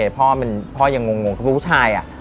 พ่อยังงงพวกผู้ชาย